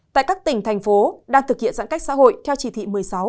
tại các tỉnh thành phố đang thực hiện giãn cách xã hội theo chỉ thị một mươi sáu